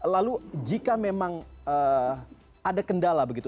lalu jika memang ada kendala begitu